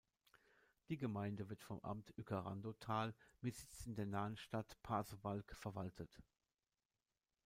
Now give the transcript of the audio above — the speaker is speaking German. Die Gemeinde wird vom Amt Uecker-Randow-Tal mit Sitz in der nahen Stadt Pasewalk verwaltet.